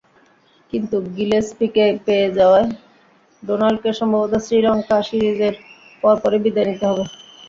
কিন্তু গিলেস্পিকে পেয়ে যাওয়ায় ডোনাল্ডকে সম্ভবত শ্রীলঙ্কা সিরিজের পরপরই বিদায় নিতে হবে।